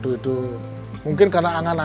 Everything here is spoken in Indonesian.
aduh itu mungkin karena angan angan